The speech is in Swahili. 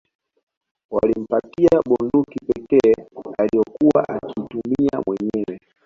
Walimpatia bunduki pekee aliyokuwa akiitumia mwenyewe